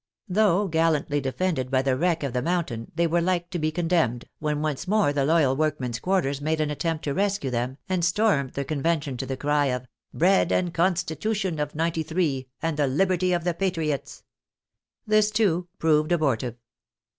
Though gallantly defended by the wreck of the Moun tain, they were like to be condemned, when once more the loyal workmen's quarters made an attempt to rescue them, and stormed the Convention to the cry of " Bread, the Constitution of '93, and the Liberty of the Patriots !" This, too, proved abortive.